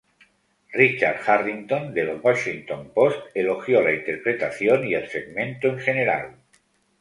Richard Harrington, del "Washington Post", elogió la interpretación y el segmento en general.